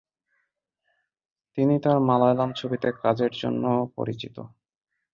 তিনি তার মালায়ালাম ছবিতে কাজের জন্যও পরিচিত।